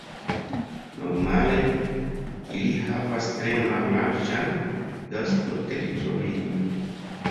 Normale ili havas tre mallarĝan gasto-teritorion.